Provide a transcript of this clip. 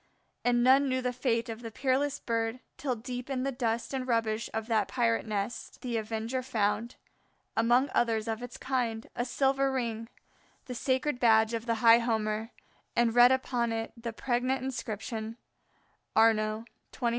And none knew the fate of the peerless Bird till deep in the dust and rubbish of that pirate nest the avenger found, among others of its kind, a silver ring, the sacred badge of the High Homer, and read upon it the pregnant inscription: "ARNAUX, 2590 C."